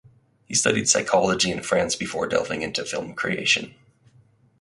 He studied psychology in France before delving into film creation.